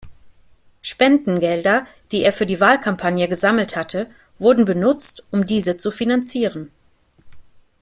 Spendengelder, die er für die Wahlkampagne gesammelt hatte, wurde benutzt, um diese zu finanzieren.